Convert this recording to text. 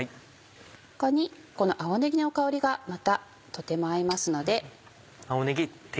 ここにこの青ねぎの香りがまたとても合いますので。